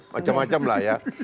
macam macam lah ya